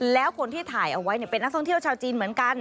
แล้วคนที่ถ่ายเอาไว้เป็นนักท่องเที่ยวชาวจีนเหมือนกัน